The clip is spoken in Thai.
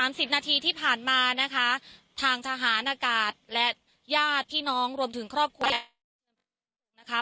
สิบนาทีที่ผ่านมานะคะทางทหารอากาศและญาติพี่น้องรวมถึงครอบครัวนะคะ